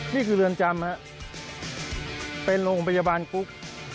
นี่คือเรือนจำครับเป็นโรงพยาบาลกุ๊ก